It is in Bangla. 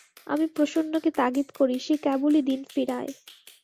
আমি প্রসন্নকে তাগিদ করি, সে কেবলই দিন ফিরায়।